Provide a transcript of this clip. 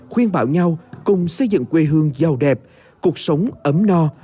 khuyên bảo nhau cùng xây dựng quê hương giàu đẹp cuộc sống ấm no